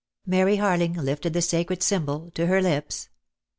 Mary Harling lifted the sacred symbol to her lips.